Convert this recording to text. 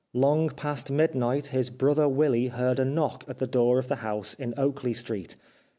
Long past midnight his brother Willy heard a knock at the door of the house in Oakley Street.